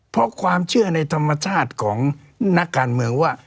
เพราะความเชื่อในธรรมชาติของนักการเมืองว่า